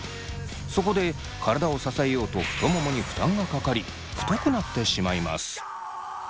そこで体を支えようと太ももに負担がかかり太くなってしまいます。